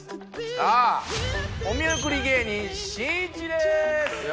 お見送り芸人しんいちです！